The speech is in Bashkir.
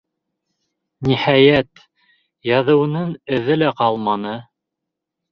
Ниһайәт, яҙыуының эҙе лә ҡалманы.